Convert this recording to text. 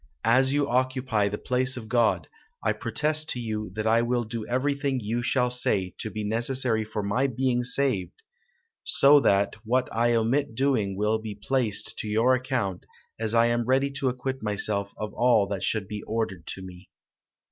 as you occupy the place of God, I protest to you that I will do everything you shall say to be necessary for my being saved; so that what I omit doing will be placed to your account, as I am ready to acquit myself of all that shall be ordered to me."